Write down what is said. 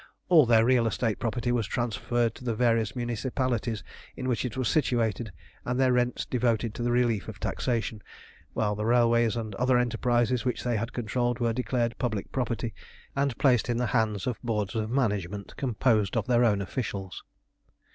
All their real estate property was transferred to the various municipalities in which it was situated, and their rents devoted to the relief of taxation, while the railways and other enterprises which they had controlled were declared public property, and placed in the hands of boards of management composed of their own officials.